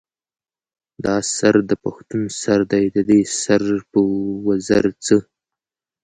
دا سر د پښتون سر دے ددې سر پۀ وزر څۀ